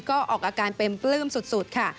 ก็ออกอาการเป็นปลื้มสุดค่ะ